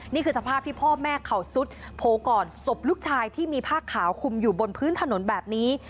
นี่คือสภาพที่พ่อแม่เขาสุดโผล่ก่อนศพลูกชายที่มีผ้าขาวคุมอยู่บนพื้นถนนแบบนี้